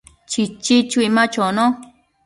Chichi chui ma chono